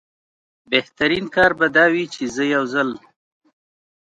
بهترین کار به دا وي چې زه یو ځل.